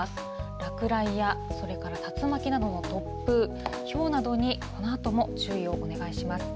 落雷や、それから竜巻などの突風、ひょうなどに、このあとも注意をお願いします。